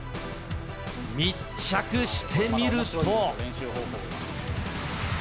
密着してみると。